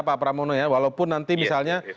pak pramono ya walaupun nanti misalnya